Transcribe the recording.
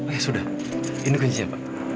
ya sudah ini kuncinya pak